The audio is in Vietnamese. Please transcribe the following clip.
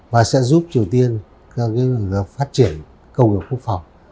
và sẽ giúp triều tiên phát triển công nghiệp quốc phòng